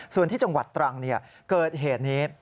ส่วนที่จังหวัดตรังเกิดเหตุนี้